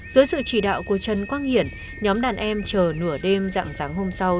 dưới sự chỉ đạo của trần quang hiển nhóm đàn em chờ nửa đêm dạng sáng hôm sau